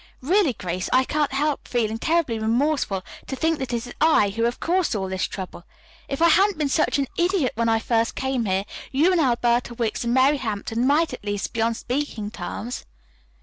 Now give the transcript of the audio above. Really, Grace, I can't help feeling terribly remorseful to think that it is I who have caused all this trouble. If I hadn't been such an idiot when I first came here, you and Alberta Wicks and Mary Hampton might at least be on speaking terms."